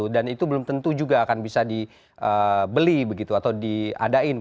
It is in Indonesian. dan itu belum tentu juga akan bisa dibeli atau diadain